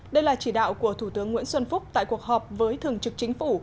đây là chỉ đạo của thủ tướng nguyễn xuân phúc tại cuộc họp với thường trực chính phủ